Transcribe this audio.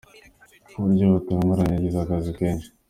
Ku buryo butunguranye yagize akazi kenshi